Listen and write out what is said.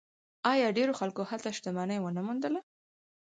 آیا ډیرو خلکو هلته شتمني ونه موندله؟